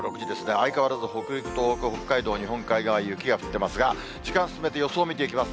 相変わらず北陸、東北、北海道、日本海側雪が降ってますが、時間進めて予想見ていきます。